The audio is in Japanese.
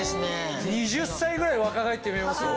２０歳ぐらい若返って見えますよ。